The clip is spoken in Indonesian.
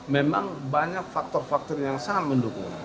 memang banyak faktor faktor yang sangat mendukung